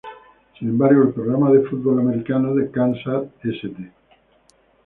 Sin embargo, el programa de fútbol americano de Kansas St.